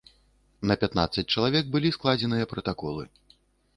На пятнаццаць чалавек былі складзеныя пратаколы.